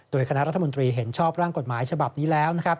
โดยคณะรัฐมนตรีเห็นชอบร่างกฎหมายฉบับนี้แล้วนะครับ